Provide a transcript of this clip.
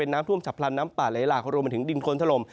น้ำท่วมฉับพลันน้ำป่าไหลหลากรวมไปถึงดินคนถล่ม